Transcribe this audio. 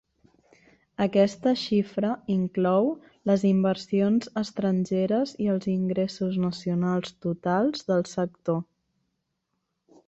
Aquesta xifra inclou les inversions estrangeres i els ingressos nacionals totals del sector.